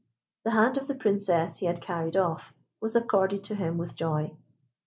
The hand of the Princess he had carried off was accorded to him with joy.